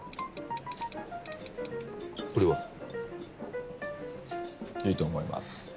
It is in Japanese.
これは？いいと思います。